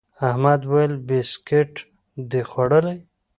احمد وويل: بيسکیټ دي خوړلي؟